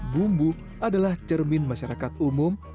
bumbu adalah cermin masyarakat umum